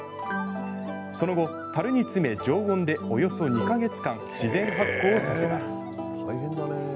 その後、たるに詰め常温でおよそ２か月間自然発酵させます。